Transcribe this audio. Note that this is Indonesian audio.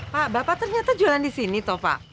pak bapak ternyata jualan disini tuh pak